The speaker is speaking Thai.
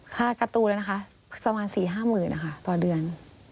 ค่าการ์ตูนเลยนะคะประมาณ๔๕หมื่นต่อเดือน